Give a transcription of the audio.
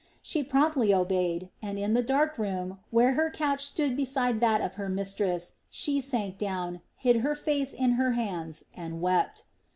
She promptly obeyed and, in the dark room, where her couch stood beside that of her mistress, she sank down, hid her face in her hands, and wept.